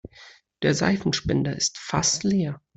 Der Seifenspender ist fast leer.